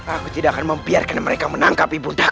aku tidak akan membiarkan mereka menangkap ibundaku